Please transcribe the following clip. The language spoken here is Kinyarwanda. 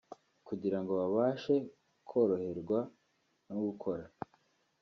kugirango babashe koroherwa no gukora